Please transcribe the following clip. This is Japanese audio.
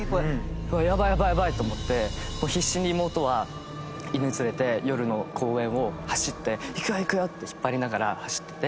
やばいやばいやばい！と思って必死に妹は犬連れて夜の公園を走って行くよ行くよって引っ張りながら走ってて。